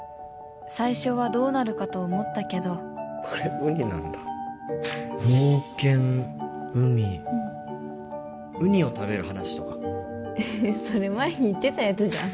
最初はどうなるかと思ったけどこれウニなんだ冒険海ウニを食べる話とかえっそれ前に言ってたやつじゃん